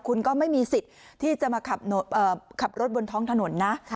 คุณก็ไม่มีสิทธิ์ที่จะมาขับรถบนท้องถนนนะ